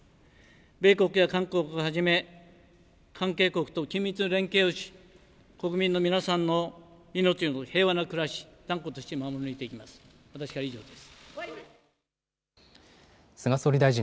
米国や韓国をはじめ関係国と緊密な連携をし国民の皆さんの命、平和な暮らしを断固として守っていきます。